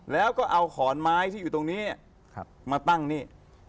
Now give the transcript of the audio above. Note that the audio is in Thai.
แล้วก็เอาขอนไม้ที่อยู่ตรงนี้มาตั้งนี่